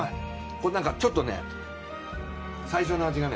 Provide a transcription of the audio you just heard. これなんかちょっとね最初の味がね